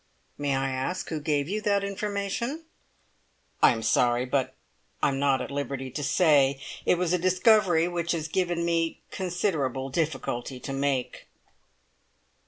"May I ask who gave you that information?" "I'm sorry; but I'm not at liberty to say. It was a discovery which has given me considerable difficulty to make."